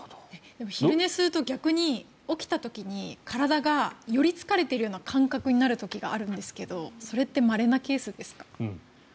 昼寝すると逆に起きた時に体がより疲れているような感覚になる時があるんですけどそれってまれなケースですか？